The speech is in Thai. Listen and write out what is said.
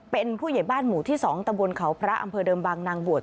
เป็นผู้ใหญ่บ้านหมู่ที่๒ตะบนเขาพระอำเภอเดิมบางนางบวช